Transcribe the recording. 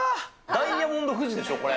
ダイヤモンド富士でしょ、これ。